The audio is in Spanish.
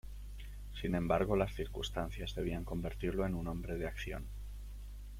Sin embargo, las circunstancias debían convertirlo en un hombre de acción.